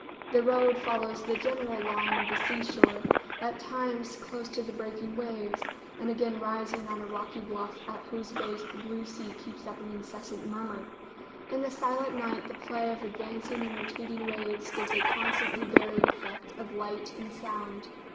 The road follows the general line of the seashore, at times close to the breaking waves, and again rising on a rocky bluff at whose base the blue sea keeps up an incessant murmur. In the silent night the play of advancing and retreating waves gives a constantly varied effect of light and sound.